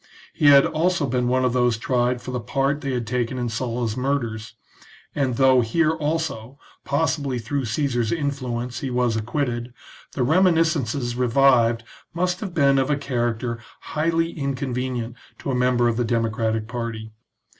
He had also been one of those tried for the part they had taken in Sulla's murders, and, though here also, possibly through Caesar's influence, he was acquitted, the reminiscences revived must have been of a character highly inconvenient to a member of the democratic party.